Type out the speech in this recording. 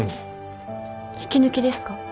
引き抜きですか？